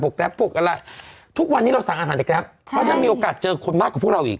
แกรปพวกอะไรทุกวันนี้เราสั่งอาหารจากแกรปใช่เพราะฉะนั้นมีโอกาสเจอคนมากกว่าพวกเราอีก